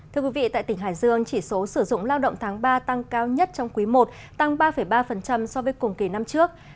thưa quý vị tại tỉnh hải dương chỉ số sử dụng lao động tháng ba tăng cao nhất trong quý i tăng ba ba so với cùng kỳ năm trước